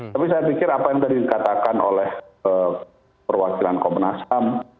tapi saya pikir apa yang tadi dikatakan oleh perwakilan komnas ham